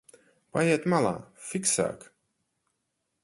Paejiet malā, fiksāk!